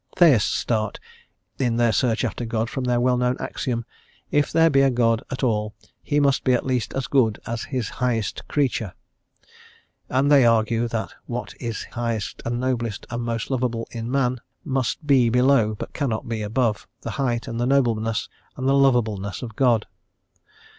Theists start in their search after God from their well known axiom: "If there be a God at all He must be at least as good as His highest creature;" and they argue that what is highest and noblest and most lovable in man must be below, but cannot be above, the height and the nobleness and the loveableness of God.